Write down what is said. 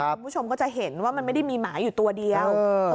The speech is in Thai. คุณผู้ชมก็จะเห็นว่ามันไม่ได้มีหมาอยู่ตัวเดียว